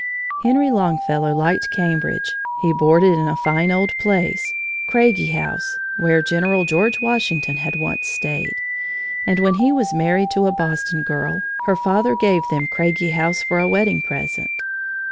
Henry Longfellow liked Cambridge. He boarded in a fine old place, Craigie House, where General George Washington had once stayed. And when he was married to a Boston girl, her father gave them Craigie House for a wedding present.